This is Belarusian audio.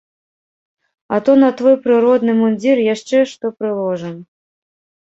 А то на твой прыродны мундзір яшчэ што прыложым.